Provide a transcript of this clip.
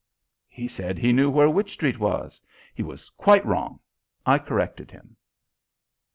"He said he knew where Wych Street was. He was quite wrong. I corrected him."